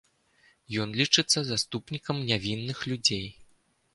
Ён лічыцца заступнікам нявінных людзей.